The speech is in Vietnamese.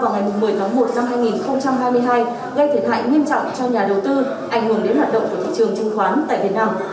vào ngày một mươi tháng một năm hai nghìn hai mươi hai gây thiệt hại nghiêm trọng cho nhà đầu tư ảnh hưởng đến hoạt động của thị trường chứng khoán tại việt nam